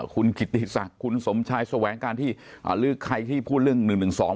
คุณขิตตีศะคุณสมชายสวงแหวงการที่หรือใครที่พูดเรื่อง๑๑๒